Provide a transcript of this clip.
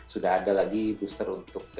sudah ada lagi booster untuk